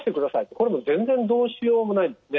これ全然どうしようもないですね。